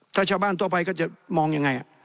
ถ้าชาวบ้านทั่วไปก็จะมองยังไง